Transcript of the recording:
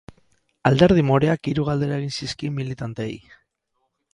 Alderdi moreak hiru galdera egin zizkien militanteei.